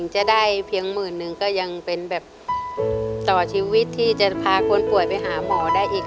จะได้เพียงหมื่นนึงก็ยังเป็นแบบต่อชีวิตที่จะพาคนป่วยไปหาหมอได้อีก